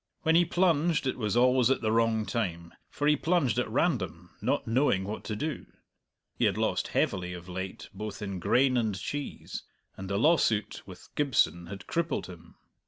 When he plunged it was always at the wrong time, for he plunged at random, not knowing what to do. He had lost heavily of late both in grain and cheese, and the lawsuit with Gibson had crippled him.